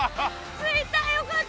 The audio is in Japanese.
ついたよかった。